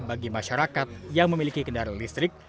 bagi masyarakat yang memiliki kendaraan listrik